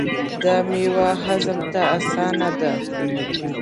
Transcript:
دا میوه هضم ته اسانه ده.